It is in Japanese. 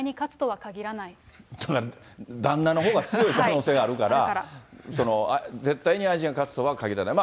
旦那のほうが強い可能性があるから、絶対に愛人が勝つとは限らない。